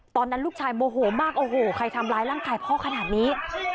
ตอนนั้นลูกชายโมโหมากโอ้โหใครทำร้ายร่างกายพ่อขนาดนี้